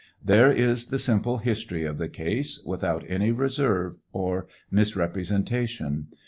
There is the simple history of the case, without any reserve or misrepresenta tion.